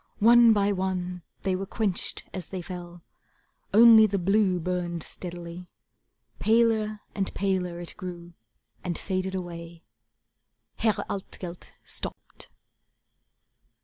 One by one they were quenched as they fell, Only the blue burned steadily. Paler and paler it grew, and faded away. Herr Altgelt stopped.